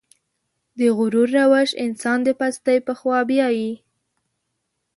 د غرور روش انسان د پستۍ په خوا بيايي.